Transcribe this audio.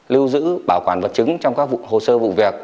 lưu giữ bảo quản vật chứng trong các hồ sơ vụ việc